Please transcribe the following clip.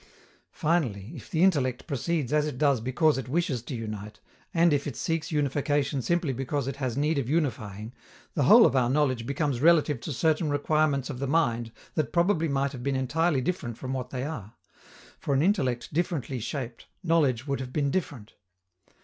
Finally, if the intellect proceeds as it does because it wishes to unite, and if it seeks unification simply because it has need of unifying, the whole of our knowledge becomes relative to certain requirements of the mind that probably might have been entirely different from what they are: for an intellect differently shaped, knowledge would have been different.